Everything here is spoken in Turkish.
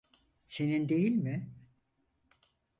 Senin değil mi?